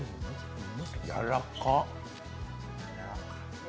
やらかっ！